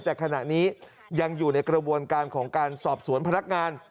แต่ขณะนี้ยังอยู่ในกระบวนการของการสอบสวนพนักงาน